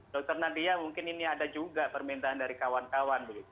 dr nadia mungkin ini ada juga permintaan dari kawan kawan